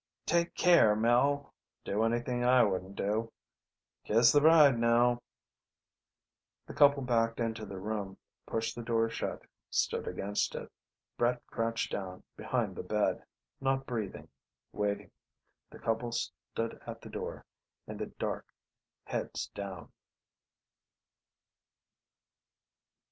"Take care, Mel!" "... do anything I wouldn't do!" "... kiss the bride, now!" The couple backed into the room, pushed the door shut, stood against it. Brett crouched behind the bed, not breathing, waiting. The couple stood at the door, in the dark, heads down